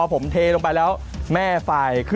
ส่วนผสมจะไม่เข้ากันถือว่าใช้ไม่ได้นะครับ